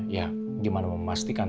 ya gimana memastikan